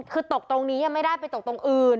คือตกตรงนี้ยังไม่ได้ไปตกตรงอื่น